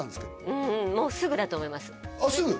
うんもうすぐだと思いますすぐ？